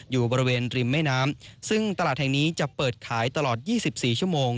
อยู่บริเวณริมแม่น้ำซึ่งตลาดแห่งนี้จะเปิดขายตลอด๒๔ชั่วโมง